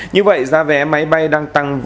như vậy giá vé máy bay đang tăng